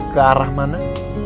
ke arah mana